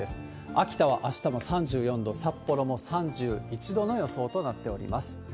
秋田はあしたも３４度、札幌も３１度の予想となっております。